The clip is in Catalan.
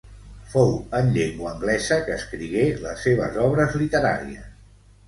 Fou en llengua anglesa que escrigué les seves obres literàries.